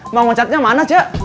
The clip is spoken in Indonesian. bang wajahnya mana cak